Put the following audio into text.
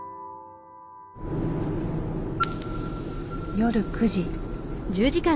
夜９時。